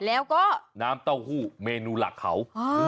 แล้วก็น้ำเต้าหู้เมนูหลักเขา